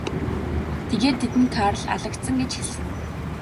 Тэгээд тэдэнд Карл алагдсан гэж хэлсэн.